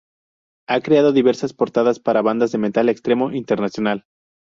Ha creado diversas portadas para bandas de metal extremo internacional.